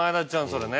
それね。